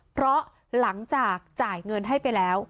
เพราะหลังจากจ่ายเงินให้ไปแล้ว